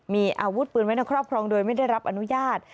มีอาวุธปืนไว้ในครอบครองโดยไม่ได้รับอนุญาต